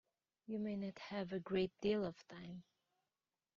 You may not have a great deal of time.